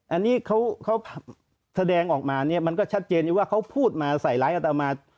อันนี้เขาแสดงออกมามันก็ชัดเจนอยู่ว่าเขาพูดมาใส่ไลค์อาจจะมา